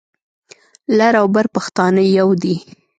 لر او بر پښتانه يو دي.